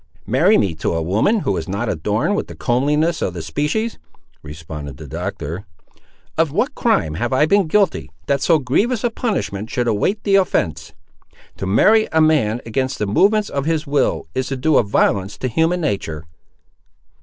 "Marry me to a woman who is not adorned with the comeliness of the species!" responded the Doctor. "Of what crime have I been guilty, that so grievous a punishment should await the offence? To marry a man against the movements of his will, is to do a violence to human nature!"